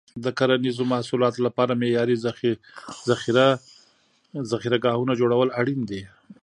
د کرنیزو محصولاتو لپاره معیاري ذخیره ګاهونه جوړول اړین دي.